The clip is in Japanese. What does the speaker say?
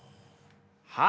はい。